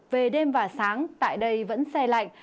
về đêm và sáng tại đây vẫn xe lạnh